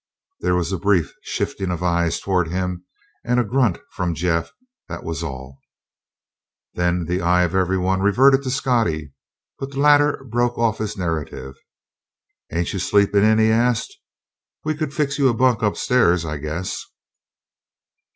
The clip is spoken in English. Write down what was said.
There was a brief shifting of eyes toward him, and a grunt from Jeff; that was all. Then the eye of every one reverted to Scottie. But the latter broke off his narrative. "Ain't you sleepin' in?" he asked. "We could fix you a bunk upstairs, I guess."